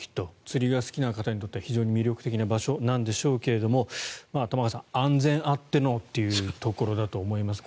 釣りが好きな方にとっては非常に魅力的な場所なんでしょうけど玉川さん、安全あってのというところだと思います。